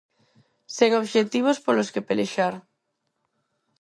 Sen obxectivos polos que pelexar.